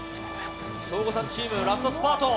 省吾さんチーム、ラストスパート。